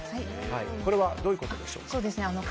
これはどういうことでしょうか。